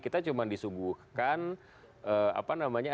kita cuma disuguhkan apa namanya